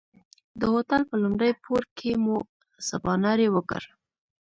د هوټل په لومړي پوړ کې مو سباناری وکړ.